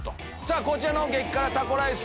こちらの激辛タコライス